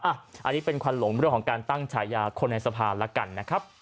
อันนี้เป็นความหลงเรื่องของการตั้งฉายาวิธีประธานสภาพ